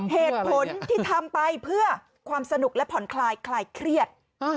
เหตุผลที่ทำไปเพื่อความสนุกและผ่อนคลายคลายเครียด